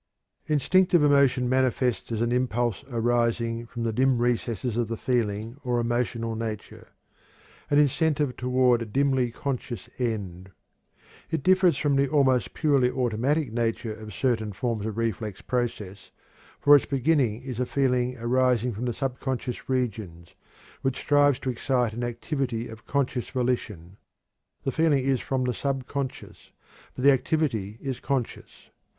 Instinctive emotion manifests as an impulse arising from the dim recesses of the feeling or emotional nature an incentive toward a dimly conscious end. It differs from the almost purely automatic nature of certain forms of reflex process, for its beginning is a feeling arising from the subconscious regions, which strives to excite an activity of conscious volition. The feeling is from the subconscious, but the activity is conscious.